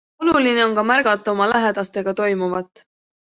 Oluline on ka märgata oma lähedastega toimuvat.